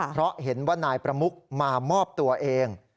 เพราะเห็นว่านายประมุกมามอบตัวเอง